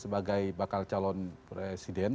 sebagai bakal calon presiden